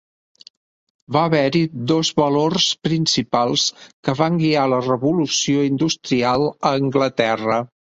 Va haver-hi dos valors principals que van guiar la Revolució Industrial a Anglaterra.